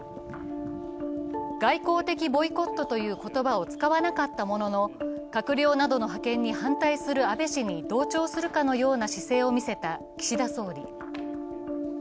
外交的ボイコットという言葉を使わなかったものの閣僚などの派遣に反対する安倍氏に同調するかのような姿勢を見せた岸田総理。